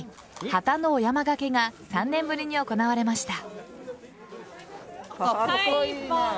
羽田のお山がけが３年ぶりに行われました。